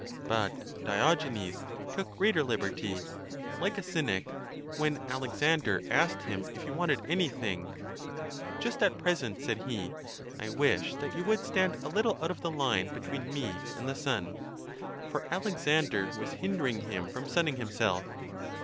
But Diogenes took a great er liberty, like a Cynic, when Alexander asked him if he wanted anything: "Just at present," said he, "I wish that you would stand a little out of the line between me and the sun," for Alexander was hindering him from sunning himself.